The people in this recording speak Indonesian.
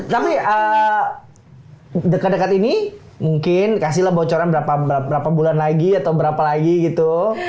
tapi dekat dekat ini mungkin kasihlah bocoran berapa bulan lagi atau berapa lagi gitu